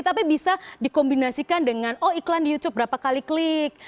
tapi bisa dikombinasikan dengan oh iklan di youtube berapa kali klik